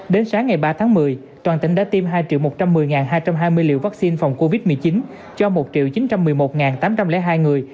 đến sáng ngày ba tháng một mươi toàn tỉnh đã tiêm hai một trăm một mươi hai trăm hai mươi liều vaccine phòng covid một mươi chín cho một chín trăm một mươi một tám trăm linh hai người